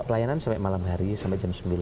pelayanan sampai malam hari sampai jam sembilan